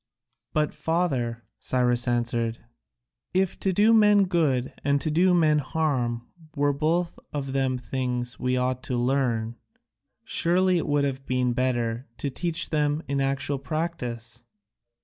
"But, father," Cyrus answered, "if to do men good and to do men harm were both of them things we ought to learn, surely it would have been better to teach them in actual practice?"